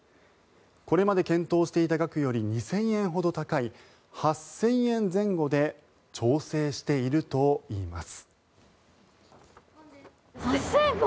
これまで検討していた額より２０００円ほど高い８０００円前後で調整しているといいます。